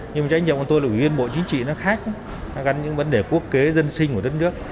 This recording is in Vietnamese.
nhưng mà trách nhiệm của tôi là ủy viên bộ chính trị nó khác nó gắn những vấn đề quốc kế dân sinh của đất nước